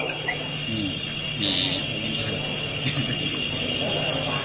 อืม